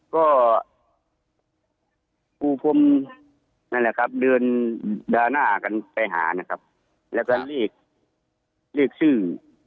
ก็คูพมเดือนหรอกกาง่ายกันไปหาและเรียกชื่อ